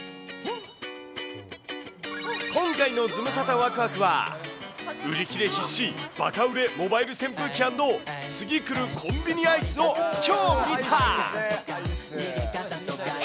今回のズムサタわくわくは、売り切れ必至、バカ売れモバイル扇風機＆次くるコンビニアイスを超見た！